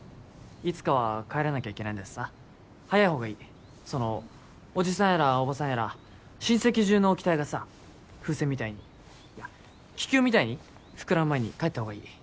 いつかは帰らなきゃいけないんだしさ早い方がいいその叔父さんやら叔母さんやら親戚中の期待がさ風船みたいにいや気球みたいに膨らむ前に帰った方がいい